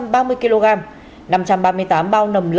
năm trăm ba mươi tám bao nầm lợn